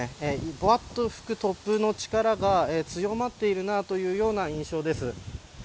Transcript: ぼわっと吹く突風の力が強まっている印象です。